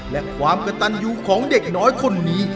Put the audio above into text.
และความกระตันยูของเด็กน้อยคนนี้